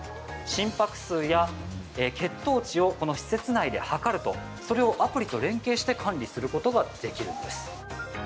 心拍数や血糖値をこの施設内で測るとそれをアプリと連携して管理することができるんです。